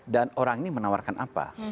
dan orang ini menawarkan apa